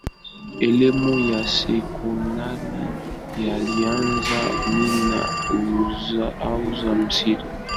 Elimu ya sekondari alianzia Mine house Misri